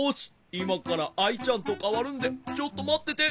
いまからアイちゃんとかわるんでちょっとまってて。